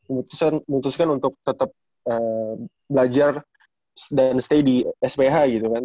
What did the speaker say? memutuskan untuk tetap belajar dan stay di sph gitu kan